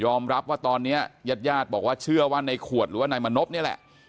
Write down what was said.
รับว่าตอนนี้ญาติญาติบอกว่าเชื่อว่าในขวดหรือว่านายมณพนี่แหละ